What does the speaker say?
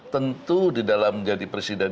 tentu di dalam menjadi presiden